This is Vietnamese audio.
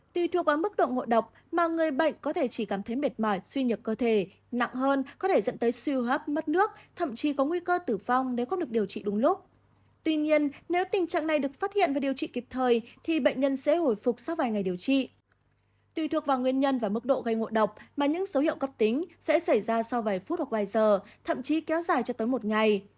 tùy thuộc vào nguyên nhân và mức độ gây ngộ độc mà những dấu hiệu cấp tính sẽ xảy ra sau vài phút hoặc vài giờ thậm chí kéo dài cho tới một ngày